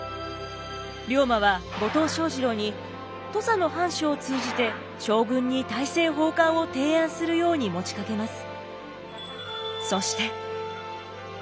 龍馬は後藤象二郎に土佐の藩主を通じて将軍に大政奉還を提案するように持ちかけます。